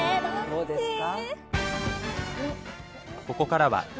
どうですか？